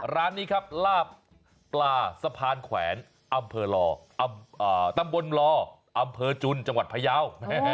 ร้านนี้ครับลาบปลาสะพานแขวนอำเภอตำบลลออำเภอจุนจังหวัดพยาว